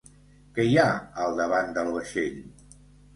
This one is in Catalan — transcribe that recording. Qui hi ha al davant del vaixell?